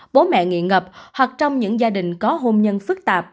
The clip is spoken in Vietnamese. bố mẹ nghị ngập hoặc trong những gia đình có hôn nhân phức tạp